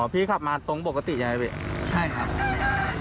พี่ขับมาตรงปกติใช่ไหมครับพี่